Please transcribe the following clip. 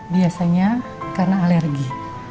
biasanya karena alergi